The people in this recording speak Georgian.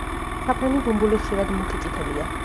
საფრენი ბუმბული ხშირად მუქი წითელია.